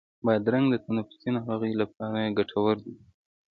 بادرنګ د تنفسي ناروغیو لپاره ګټور دی.